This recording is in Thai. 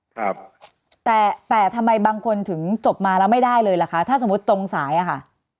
ครับแต่แต่ทำไมบางคนถึงจบมาแล้วไม่ได้เลยล่ะคะถ้าสมมุติตรงสายอ่ะค่ะ